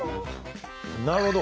なるほど。